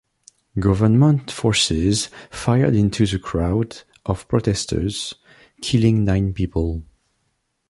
Government forces fired into the crowd of protesters, killing nine people.